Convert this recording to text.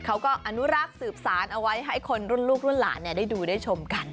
เค้าก็อนุรากสืบศาลเอาไว้ให้คนลูกรูดหลานได้ดูได้ชมกัน